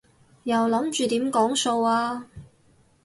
又諗住點講數啊？